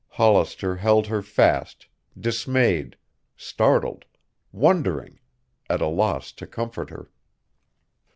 Hollister held her fast, dismayed, startled, wondering, at a loss to comfort her.